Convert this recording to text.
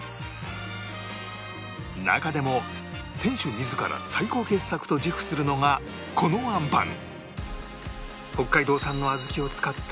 中でも店主自ら最高傑作と自負するのがこのあんぱん